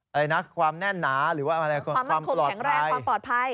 อะไรนะความแน่นหนาหรือว่าอะไรความปลอดภัย